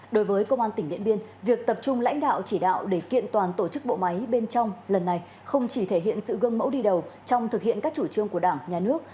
đối với công an tỉnh điện biên việc tập trung lãnh đạo chỉ đạo để kiện toàn tổ chức bộ máy bên trong lần này không chỉ thể hiện sự gương mẫu đi đầu trong thực hiện các chủ trương của đảng nhà nước